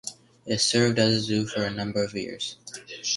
It served as a zoo for a number of years.